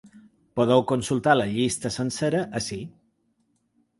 Podeu consultar la llista sencera ací.